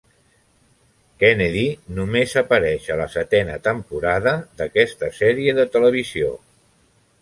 Kennedy només apareix a la setena temporada d'aquesta sèrie de televisió.